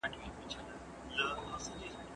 ما ته اجازه راکړئ چي دا کتاب ولولم.